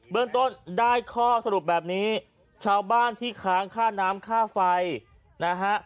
เรื่องต้นได้ข้อสรุปแบบนี้ชาวบ้านที่ค้างค่าน้ำค่าไฟนะฮะ